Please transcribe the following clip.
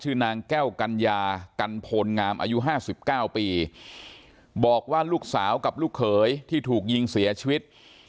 นางแก้วกัญญากันโพลงามอายุห้าสิบเก้าปีบอกว่าลูกสาวกับลูกเขยที่ถูกยิงเสียชีวิต